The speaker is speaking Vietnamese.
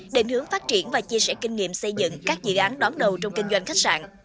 định hướng phát triển và chia sẻ kinh nghiệm xây dựng các dự án đón đầu trong kinh doanh khách sạn